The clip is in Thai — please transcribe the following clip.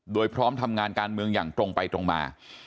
โดยพร้อมทำงานการเมืองอย่างตรงไปตรงมา